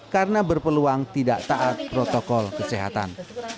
karena berpeluang tidak taat protokol kesehatan